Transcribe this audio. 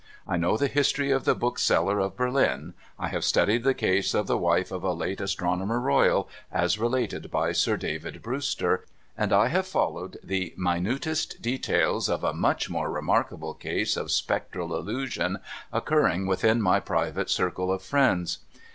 I know the history of the Bookseller of Berlin, I have studied the case of the wife of a late Astronomer Royal as related by Sir David Brewster, and I have followed the minutest details of a much more remarkable case of Spectral Illusion occurring within my private circle of friends.